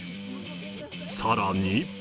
さらに。